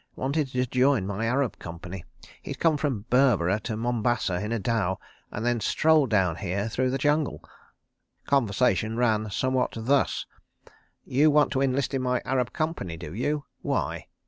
Wanted to join my Arab Company. He'd come from Berbera to Mombasa in a dhow, and then strolled down here through the jungle. ... Conversation ran somewhat thus: "'You want to enlist in my Arab Company, do you? Why?